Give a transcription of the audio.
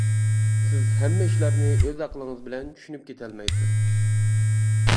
سىز ھەممە ئىشلارنى ئۆز ئەقلىڭىز بىلەن چۈشىنىپ كېتەلمەيسىز.